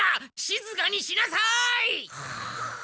しずかにしなさい！